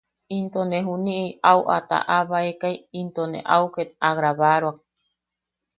Into ne juni’i au a ta’abaekai into ne au ket a grabaroak.